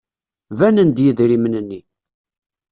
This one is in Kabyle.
Banen-d yidrimen-nni.